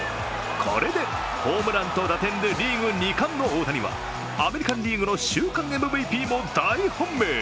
これでホームランと打点でリーグ２冠の大谷はアメリカン・リーグの週間ＭＶＰも大本命。